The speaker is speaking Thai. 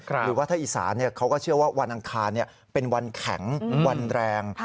หรือว่าถ้าอีสานเขาก็เชื่อว่าวันอังคารเป็นวันแข็งวันแรง